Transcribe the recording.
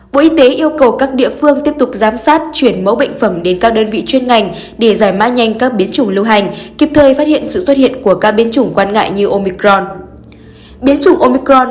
bộ y tế yêu cầu các địa phương tiếp tục giám sát chuyển mẫu bệnh phẩm đến các đơn vị chuyên ngành để giải mã nhanh các biến chủng lưu hành kịp thời phát hiện sự xuất hiện của ca biến chủng quan ngại như omicron